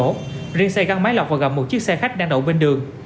trong đường phan văn hớn riêng xe găng máy lọc và gặp một chiếc xe khách đang đậu bên đường